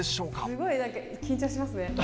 すごい緊張しますね。